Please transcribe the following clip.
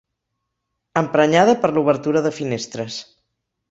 Emprenyada per l'obertura de finestres.